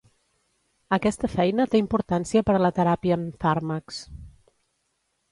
Aquesta feina té importància per a la teràpia amb fàrmacs.